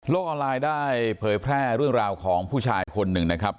ออนไลน์ได้เผยแพร่เรื่องราวของผู้ชายคนหนึ่งนะครับ